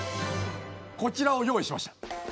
こちらを用意しました。